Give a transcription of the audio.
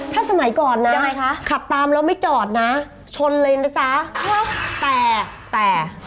ถ้าสมัยก่อนนะขับตามแล้วไม่จอดนะชนเลยนะจ๊ะแต่